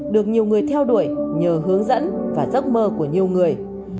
được nhiều người theo đuổi nhờ hướng dẫn và giấc mơ của nhiều người